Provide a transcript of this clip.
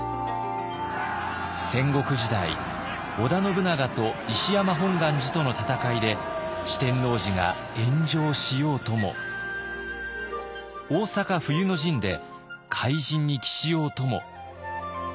戦国時代織田信長と石山本願寺との戦いで四天王寺が炎上しようとも大坂冬の陣で灰じんに帰しようとも。